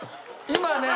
今ね